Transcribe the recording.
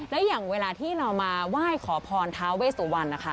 และอย่างเวลาที่เรามาไหว้ขอพรท้าเวสุวรรณนะคะ